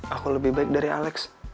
aku lebih baik dari alex